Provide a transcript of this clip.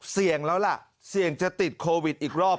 เสี่ยงแล้วล่ะเสี่ยงจะติดโควิดอีกรอบ